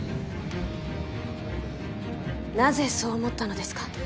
なぜそう思ったのですか？